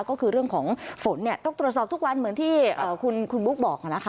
ก็คือเรื่องของฝนต้องตรวจสอบทุกวันเหมือนที่คุณบุ๊คบอก